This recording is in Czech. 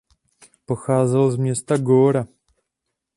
Pocházel z města Góra.